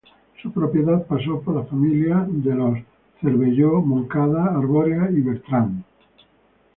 Su propiedad pasó por las familias de los Cervelló, Montcada, Arborea y Bertrán.